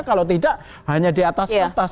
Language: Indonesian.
kalau tidak hanya di atas kertas